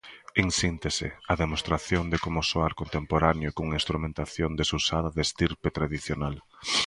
En síntese, a demostración de como soar contemporáneo cunha instrumentación desusada de estirpe tradicional.